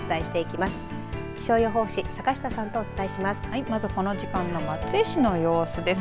まずこの時間は松江市の様子です。